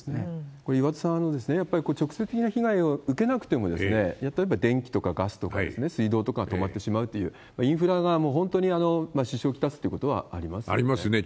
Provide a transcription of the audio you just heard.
これ、岩田さん、やっぱり直接には被害を受けなくても、例えば電気とかガスとか水道とかが止まってしまうという、インフラがもう本当に支障を来すってことはありありますね。